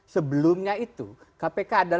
sebelumnya itu kpk adalah lembaga